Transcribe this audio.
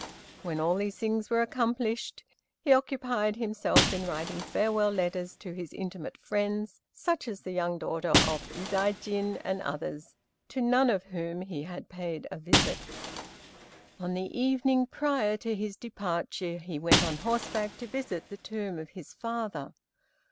When all these things were accomplished, he occupied himself in writing farewell letters to his intimate friends, such as the young daughter of Udaijin and others, to none of whom he had paid a visit. On the evening prior to his departure he went on horseback to visit the tomb of his father.